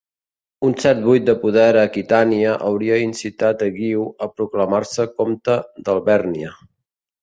Un cert buit de poder a Aquitània hauria incitat a Guiu a proclamar-se comte d'Alvèrnia.